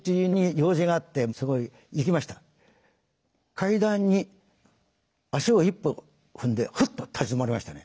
階段に足を一歩踏んでふっと立ち止まりましたね。